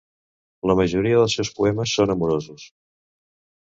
La majoria dels seus poemes són amorosos.